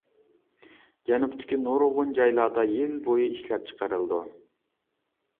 جەنۇبتىكى نۇرغۇن جايلاردا يىل بويى ئىشلەپچىقىرىلىدۇ.